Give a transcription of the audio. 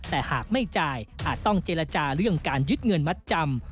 แต่หากไม่จ่ายอาจต้องเจรจาเรื่องการยึดเงินมัดจำ